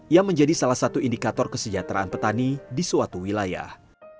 yang menjadi salah satu indikator kesejahteraan petani di suatu wilayah